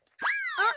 あっ。